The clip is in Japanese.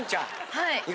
はい。